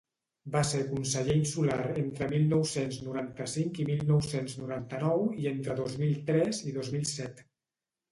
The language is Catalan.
Va ser conseller insular entre mil nou-cents noranta-cinc i mil nou-cents noranta-nou i entre dos mil tres i dos mil set.